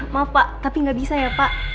maaf pak tapi nggak bisa ya pak